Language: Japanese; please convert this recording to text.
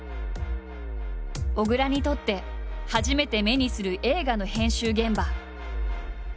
小倉にとって初めて目にする映画の編集現場。